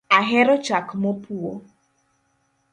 Ahero chak mopwo